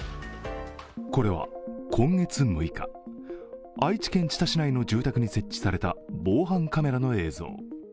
これは今月６日、愛知県知多市内の住宅に設置された防犯カメラの映像。